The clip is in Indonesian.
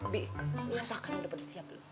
bi masakan udah siap belum